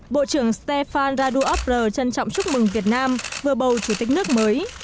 bộ trưởng stefan raduabr trân trọng chúc mừng việt nam vừa bầu chủ tịch nước mới